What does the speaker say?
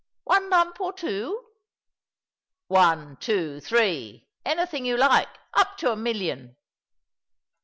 ''One lump— or two?" " One, two, three — anything you like — up to a million."